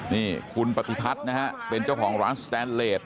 นี่คุณปฏิพัฒน์นะฮะเป็นเจ้าของร้านสแตนเลส